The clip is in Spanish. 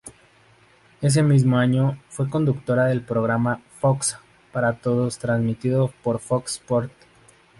Ese mismo año fue conductora del programa "Fox para todos" transmitido por Fox Sports.